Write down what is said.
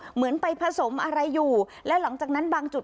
เหมือนไปผสมอะไรอยู่แล้วหลังจากนั้นบางจุด